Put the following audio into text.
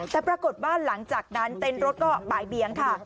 แต่ปรากฏว่าหลังจากนั้นเต้นรถก็บ่ายเบียงค่ะ